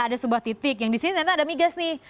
ada sebuah titik yang disini ternyata ada migas nih